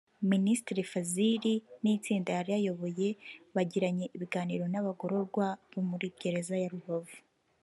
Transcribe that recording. Minisitiri Fazil n’itsinda yari ayoboye bagiranye ibiganiro n’abagororwa bo muri gereza ya Rubavu